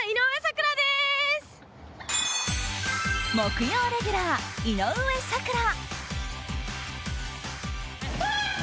木曜レギュラー、井上咲楽。